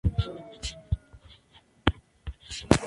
Además, no había institutos en las áreas cercanas.